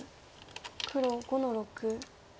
黒５の六。